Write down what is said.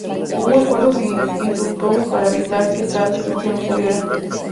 Hubo esfuerzos infructuosos para evitar que tal destrucción ocurriera.